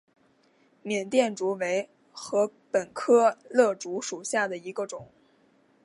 缅甸竹为禾本科簕竹属下的一个种。